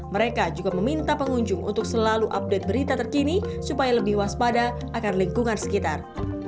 mereka juga meminta pengunjung untuk selalu update berita terkini supaya lebih waspada akan lingkungan sekitar